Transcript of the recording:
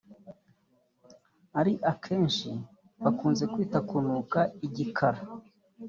ari akenshi bakunze kwita kunuka “Igikara”